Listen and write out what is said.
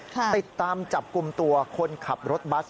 ติดตามจับกลุ่มตัวคนขับรถบัส